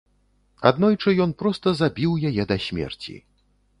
Аднойчы ён проста забіў яе да смерці.